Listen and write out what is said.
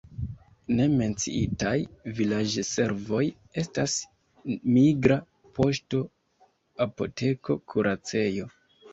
Ne menciitaj vilaĝservoj estas migra poŝto, apoteko, kuracejo.